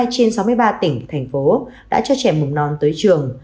sáu mươi hai trên sáu mươi ba tỉnh thành phố đã cho trẻ mầm non tới trường